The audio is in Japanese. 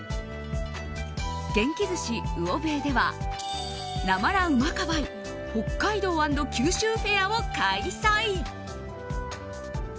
元気寿司・魚べいではなまら・うまかばい北海道＆九州フェアを開催。